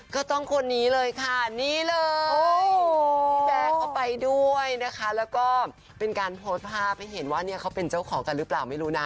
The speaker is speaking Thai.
คนนี้เลยค่ะนี่เลยพี่แบร์เขาไปด้วยนะคะแล้วก็เป็นการโพสต์ภาพให้เห็นว่าเนี่ยเขาเป็นเจ้าของกันหรือเปล่าไม่รู้นะ